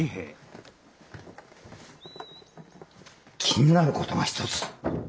気になる事が一つ。